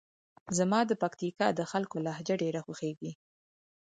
زما د پکتیکا د خلکو لهجه ډېره خوښیږي.